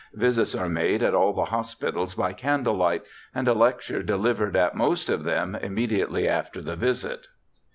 Visits are made at all the hospitals by IT2 BIOGRAPHICAL ESSAYS candle light, and a lecture delivered at most of them immediatel}' after the visit.'